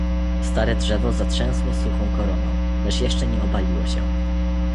"Stare drzewo zatrzęsło suchą koroną, lecz jeszcze nie obaliło się."